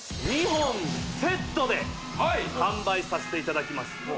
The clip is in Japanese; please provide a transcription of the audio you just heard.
２本セットで販売させていただきます